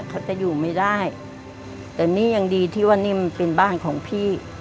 เขาจะอยู่ไม่ได้แต่นี่ยังดีที่ว่านี่มันเป็นบ้านของพี่